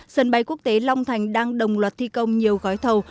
sân bay quốc tế long thành đang đồng loạt thi công nhiều gói thầu